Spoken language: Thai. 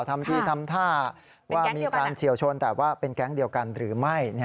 ทำทีทำท่าว่ามีการเฉียวชนแต่ว่าเป็นแก๊งเดียวกันหรือไม่